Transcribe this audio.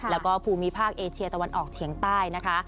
แล้วก็ภูมิภาคเอเชียตะวันออกเฉียงใต้นะคะ